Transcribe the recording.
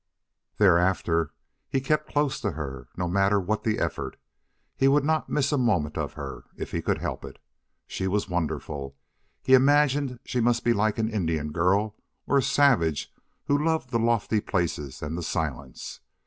Thereafter he kept close to her, no matter what the effort. He would not miss a moment of her, if he could help it. She was wonderful. He imagined she must be like an Indian girl, or a savage who loved the lofty places and the silence.